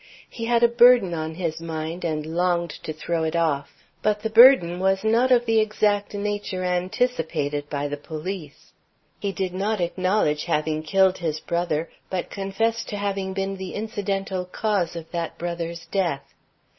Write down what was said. He had a burden on his mind, and longed to throw it off. But the burden was not of the exact nature anticipated by the police. He did not acknowledge having killed his brother, but confessed to having been the incidental cause of that brother's death.